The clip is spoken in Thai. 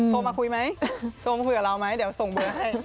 โทรมาคุยไหมโทรมาคุยกับเราไหมเดี๋ยวส่งเบอร์ให้